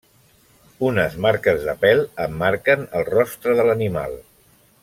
Unes marques de pèl emmarquen el rostre de l'animal.